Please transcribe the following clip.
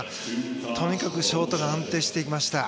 とにかくショートが安定してきました。